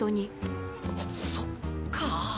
そっか。